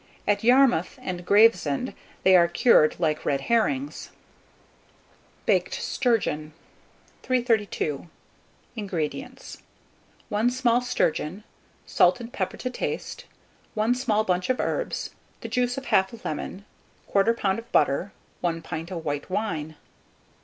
At Yarmouth and Gravesend they are cured like red herrings. BAKED STURGEON. 332. INGREDIENTS. 1 small sturgeon, salt and pepper to taste, 1 small bunch of herbs, the juice of 1/2 lemon, 1/4 lb. of butter, 1 pint of white wine.